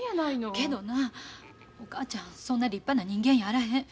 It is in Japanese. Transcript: けどなお母ちゃんそんな立派な人間やあらへん。